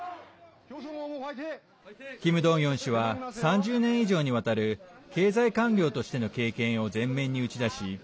キム・ドンヨン氏は３０年以上にわたる経済官僚としての経験を前面に打ち出し